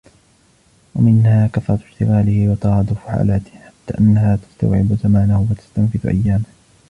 وَمِنْهَا كَثْرَةُ اشْتِغَالِهِ وَتَرَادُفُ حَالَاتِهِ حَتَّى أَنَّهَا تَسْتَوْعِبُ زَمَانَهُ وَتَسْتَنْفِدُ أَيَّامَهُ